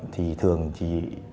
thì thường chỉ